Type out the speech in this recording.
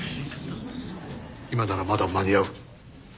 今ならまだ間に合う。